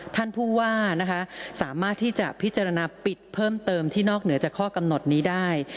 ท่านผู้ว่านะคะสามารถที่จะพิจารณาปิดเพิ่มเติมที่นอกเหนือจากข้อกำหนดนี้ได้